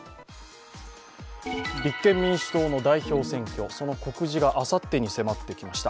立憲民主党の代表選挙その告示があさってに迫ってきました。